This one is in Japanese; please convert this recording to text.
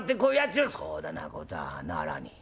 「そだなことはならねえ」。